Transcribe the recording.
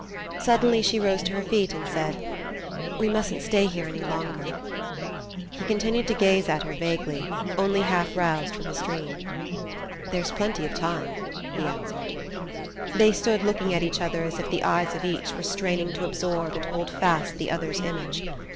Suddenly she rose to her feet and said: "We mustn't stay here any longer." He continued to gaze at her vaguely, only half roused from his dream. "There's plenty of time," he answered. They stood looking at each other as if the eyes of each were straining to absorb and hold fast the other's image.